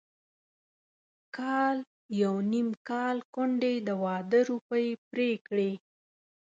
کال يو نيم کال کونډې د واده روپۍ پرې کړې.